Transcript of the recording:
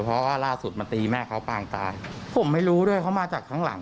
เพราะว่าล่าสุดมันตีแม่เขาปางตายผมไม่รู้ด้วยเขามาจากข้างหลัง